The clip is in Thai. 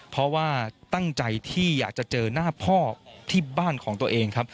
เพราะว่าตั้งใจที่อยากจะเจอหน้าพ่อที่บ้านของตัวเองครับ